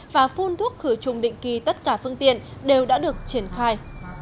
và phun thuốc khử trùng định kỳ tất cả phương tiện đều đã được triển khai